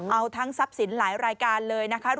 เอาทั้งทรัพย์สินหลายรายการเลยนะคะ